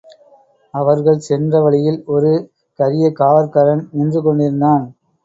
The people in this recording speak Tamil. அவர்கள் சென்ற வழியில் ஒரு கரியகாவற்காரன் நின்று கொண்டிருந்தான்.